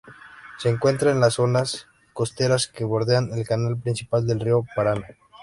Se encuentra en las zonas costeras que bordean el canal principal del río Paraná.